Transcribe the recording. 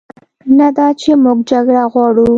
نه دا چې موږ جګړه غواړو،